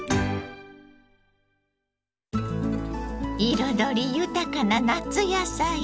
彩り豊かな夏野菜。